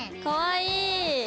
かわいい！